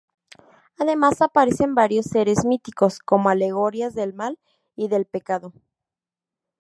Además aparecen varios seres míticos como alegorías del mal y del pecado.